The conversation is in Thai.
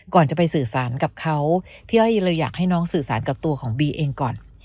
ก่อนจะไปสื่อสารกับเขาพี่อ้อยเลยอยากให้น้องสื่อสารกับตัวของบีเองก่อน